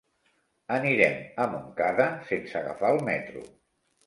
Anirem a Montcada sense agafar el metro.